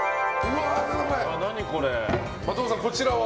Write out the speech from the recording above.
的場さん、こちらは？